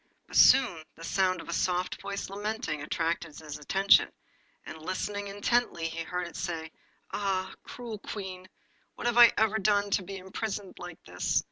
But soon the sound of a soft voice lamenting attracted his attention, and listening intently he heard it say 'Ah! cruel Queen! what have I ever done to be imprisoned like this?